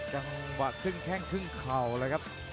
จังหวะครึ่งแข้งครึ่งเข่าเลยครับ